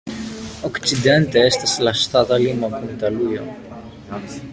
Okcidente estas la ŝtata limo kun Italujo.